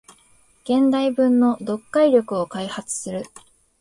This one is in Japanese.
現代文の読解力を開発する